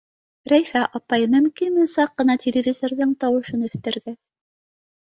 — Рәйфә апай, мөмкинме саҡ ҡына телевизорҙың тауышын өҫтәргә!